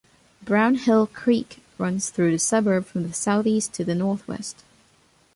Brown Hill Creek runs through the suburb from the south-east to the north-west.